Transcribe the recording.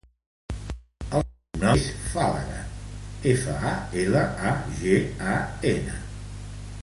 El cognom és Falagan: efa, a, ela, a, ge, a, ena.